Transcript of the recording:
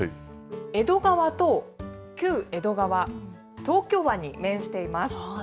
江戸川と旧江戸川、東京湾に面しています。